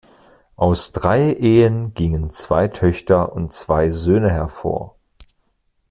Aus drei Ehen gingen zwei Töchter und zwei Söhne hervor.